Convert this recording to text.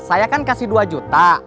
saya kan kasih dua juta